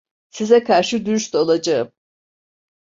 Size karşı dürüst olacağım.